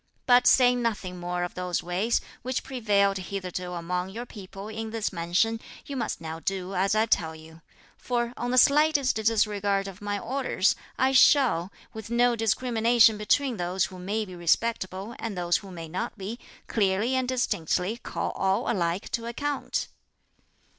But saying nothing more of those ways, which prevailed hitherto among your people in this mansion, you must now do as I tell you; for on the slightest disregard of my orders, I shall, with no discrimination between those who may be respectable and those who may not be, clearly and distinctly call all alike to account."